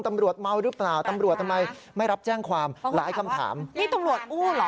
ตำรวจเมาหรือเปล่าตำรวจทำไมไม่รับแจ้งความหลายคำถามนี่ตำรวจอู้เหรอ